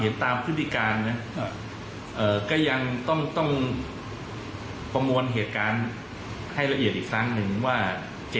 ไถเตอร์เทศเลย